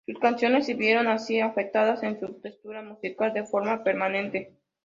Sus canciones se vieron así afectadas en su textura musical de forma permanente.